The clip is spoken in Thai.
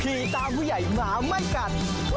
ผีตามผู้ใหญ่หมาไม่กรร๑๙๔๒